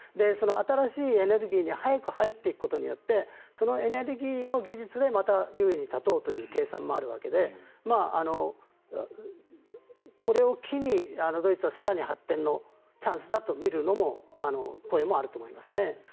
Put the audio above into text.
新しいエネルギーに早く入っていくことによってそのエネルギーの技術でまた優位に立とうという計算もあるわけでこれを機にドイツは更に発展のチャンスだと見るという声もあると思いますね。